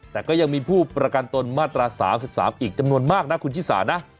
แต่ก็ยังมีผู้ประกันตนมาตรา๓๓อีกจำนวนมากนะคุณชิสานะ